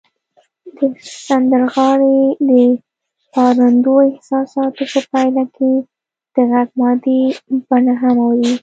د سندرغاړي د پارندو احساساتو په پایله کې د غږ مادي بڼه هم اوړي